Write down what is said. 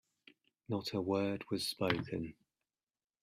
Not a word was spoken.